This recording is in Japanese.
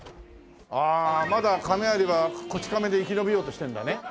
ああまだ亀有は『こち亀』で生き延びようとしてるんだね。